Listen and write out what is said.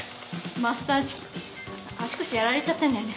マッサージ器足腰やられちゃってんだよね。